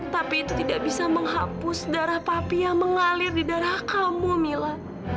tapi itu tidak bisa menghapus darah papi yang mengalir di darah kamu mila